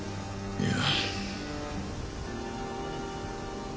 いや。